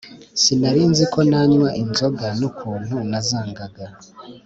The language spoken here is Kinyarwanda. Sinarinziko nanywa inzoga nukuntu nazangaga